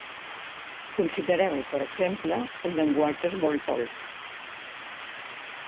Considereu, per exemple, el llenguatge Smalltalk.